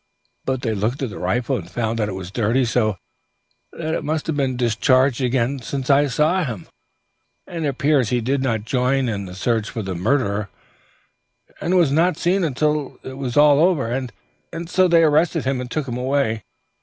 But they looked at the rifle, and found that it was dirty, so that it must have been discharged again since I saw him. And it appears he did not join in the search for the murderer, and was not seen until it was all over. And so they arrested him and took him away.